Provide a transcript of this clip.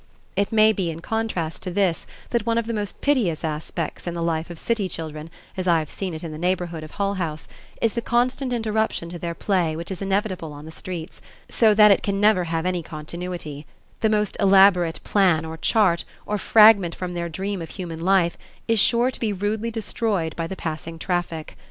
It may be in contrast to this that one of the most piteous aspects in the life of city children, as I have seen it in the neighborhood of Hull House, is the constant interruption to their play which is inevitable on the streets, so that it can never have any continuity the most elaborate "plan or chart" or "fragment from their dream of human life" is sure to be rudely destroyed by the passing traffic.